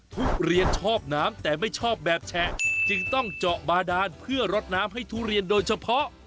ทุเรียนชอบน้ำแต่ไม่ชอบแบบแฉะจึงต้องเจาะบาดานเพื่อรดน้ำให้ทุเรียนโดยเฉพาะ